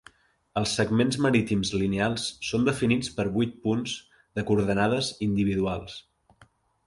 Els segments marítims lineals són definits per vuit punts de coordenades individuals.